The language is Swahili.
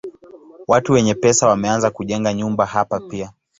Watu wenye pesa wameanza kujenga nyumba hapa pia.